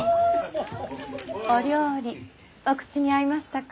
お料理お口に合いましたか？